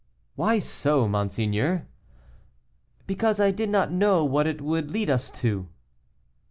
"Why so, monseigneur?" "Because I did not know what it would lead us to."